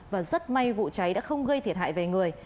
và rất may vụ cháy đã không gây thiệt hại về người